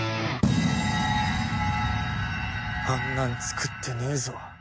あんなん作ってねえぞ。